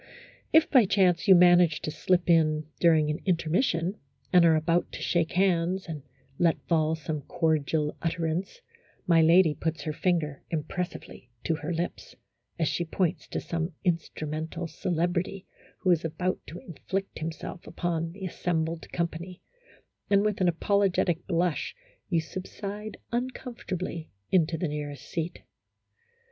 If, by chance, you manage to slip in during an in termission, and are about to shake hands, and let fall some cordial utterance, my lady puts her finger impressively to her lips, as she points to some in strumental celebrity who is about to inflict himself upon the assembled company, and with an apolo getic blush you subside uncomfortably into the nearest seat.